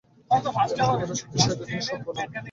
এমন কি মেধাশক্তির সহায়েও তিনি লভ্য নন।